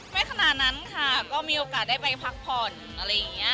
ขณะนั้นค่ะก็มีโอกาสได้ไปพักผ่อนอะไรอย่างนี้